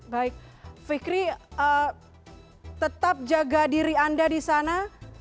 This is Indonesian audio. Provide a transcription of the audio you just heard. baik fikri tetap jaga diri anda di sana